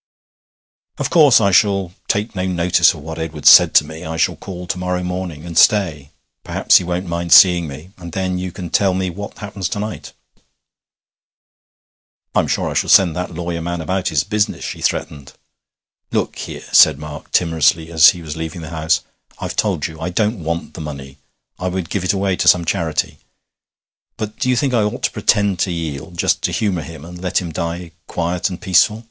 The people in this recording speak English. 'Of course I shall take no notice of what Edward said to me I shall call to morrow morning and stay. Perhaps he won't mind seeing me. And then you can tell me what happens to night.' 'I'm sure I shall send that lawyer man about his business,' she threatened. 'Look here,' said Mark timorously as he was leaving the house, 'I've told you I don't want the money I would give it away to some charity; but do you think I ought to pretend to yield, just to humour him, and let him die quiet and peaceful?